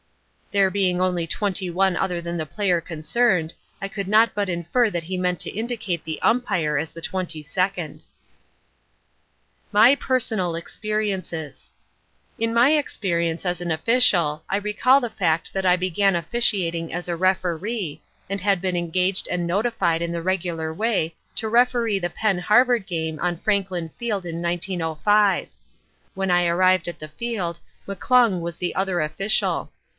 "There being only twenty one other than the player concerned, I could not but infer that he meant to indicate the umpire as the twenty second." My Personal Experiences In my experience as an official I recall the fact that I began officiating as a Referee, and had been engaged and notified in the regular way to referee the Penn' Harvard game on Franklin Field in 1905. When I arrived at the field, McClung was the other official.